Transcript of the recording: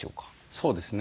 そうですね。